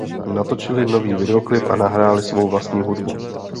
Natočili nový videoklip a nahráli svou vlastní hudbu.